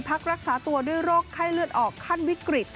พักรักษาตัวด้วยโรคไข้เลือดออกขั้นวิกฤต